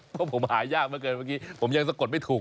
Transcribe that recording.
เพราะผมหายากเมื่อกี้ผมยังกะโกะไม่ถูก